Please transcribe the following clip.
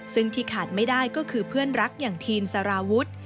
ซึ่งที่ขาดไม่ได้ก็คือเพื่อนรักอย่างทีนสารวุฒิ